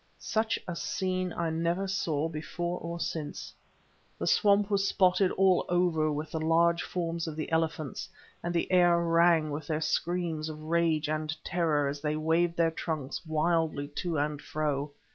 Such a scene I never saw before or since. The swamp was spotted all over with the large forms of the elephants, and the air rang with their screams of rage and terror as they waved their trunks wildly to and fro.